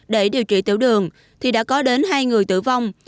để điều trị tiểu đường thì đã có đến hai người tử vong